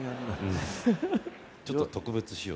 ちょっと特別仕様。